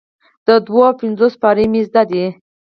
د دوو او پنځو پاړۍ مې زده ده،